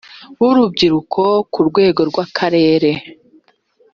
b urubyiruko ku rwego rw akerere